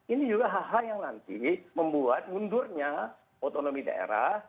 ini juga hal hal yang nanti membuat mundurnya otonomi daerah